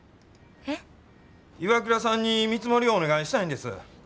ＩＷＡＫＵＲＡさんに見積もりをお願いしたいんです。